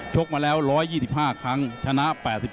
กมาแล้ว๑๒๕ครั้งชนะ๘๔